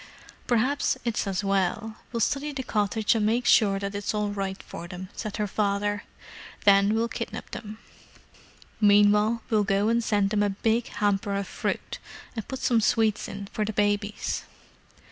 "Perhaps it's as well—we'll study the cottage, and make sure that it's all right for them," said her father. "Then we'll kidnap them. Meanwhile we'll go and send them a big hamper of fruit, and put some sweets in for the babies."